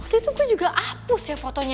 waktu itu aku juga hapus ya fotonya